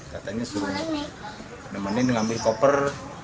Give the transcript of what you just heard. katanya suruh nemenin ngambil koper